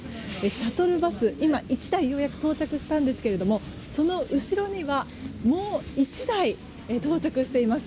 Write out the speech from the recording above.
シャトルバスが今、１台ようやく到着したんですがその後ろにはもう１台、到着しています。